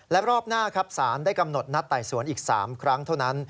และรอบหน้าครับสารได้กำหนดนัดไต่สวนอีก๓ครั้งเท่านั้น